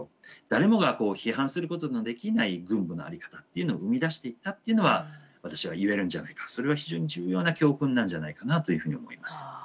誰もが批判することのできない軍部の在り方っていうのを生み出していったっていうのは私は言えるんじゃないかそれは非常に重要な教訓なんじゃないかなというふうに思います。